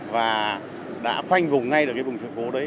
và đã khoanh vùng ngay được cái vùng sự cố đấy